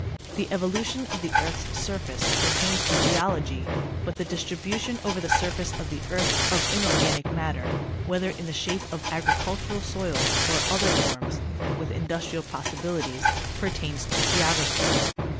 The evolution of the earth's surface pertains to geology, but the distribution over the surface of the earth of inorganic mat ter, whether in the shape of agricultural soils or other forms, with industrial possibilities, pertains to geography.